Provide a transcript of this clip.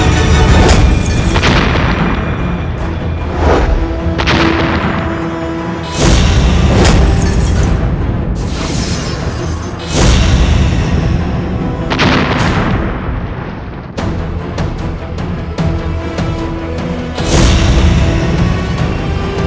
kau mau kemana